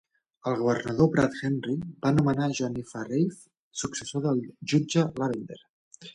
El governador Brad Henry va nomenar John F. Reif successor del jutge Lavender.